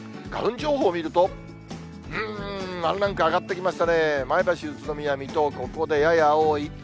花粉情報を見ると、うーん、ワンランク上がってきましたね、前橋、宇都宮、水戸、ここでやや多い。